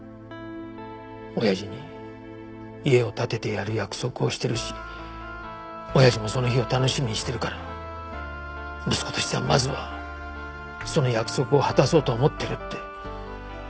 親父に家を建ててやる約束をしてるし親父もその日を楽しみにしてるから息子としてはまずはその約束を果たそうと思ってるって。